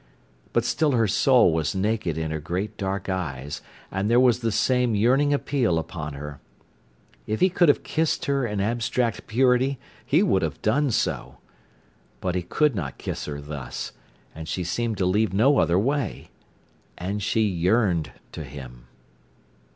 But still her soul was naked in her great dark eyes, and there was the same yearning appeal upon her. If he could have kissed her in abstract purity he would have done so. But he could not kiss her thus—and she seemed to leave no other way. And she yearned to him.